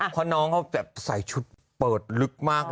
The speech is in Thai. เพราะน้องเขาแบบใส่ชุดเปิดลึกมาก